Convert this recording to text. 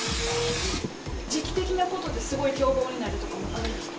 時期的なことで、すごい凶暴になるとかあるんですか？